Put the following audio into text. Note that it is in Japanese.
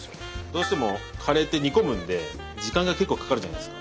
どうしてもカレーって煮込むんで時間が結構かかるじゃないですか。